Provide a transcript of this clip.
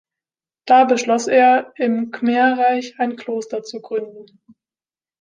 Da beschloss er, im Khmer-Reich ein Kloster zu gründen.